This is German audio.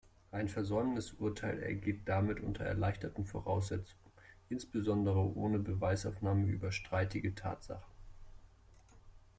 Ein Versäumnisurteil ergeht damit unter erleichterten Voraussetzungen, insbesondere ohne Beweisaufnahme über streitige Tatsachen.